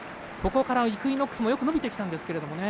イクイノックスもよく伸びてきたんですがね。